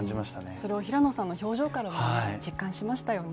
それを平野さんの表情からも実感しましたよね。